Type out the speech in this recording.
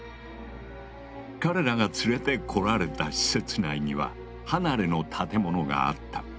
彼らが連れてこられた施設内には離れの建物があった。